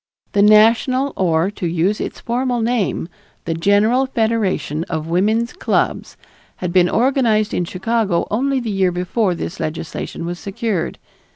The national or, to use its formal name, The General Federation of Woman's Clubs had been organized in Chicago only the year before this legislation was secured.